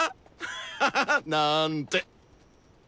ハハハなんて！